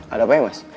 ada apa ya mas